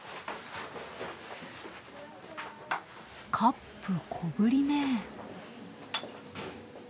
カップ小ぶりね。